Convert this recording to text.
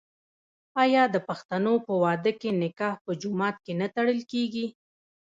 آیا د پښتنو په واده کې نکاح په جومات کې نه تړل کیږي؟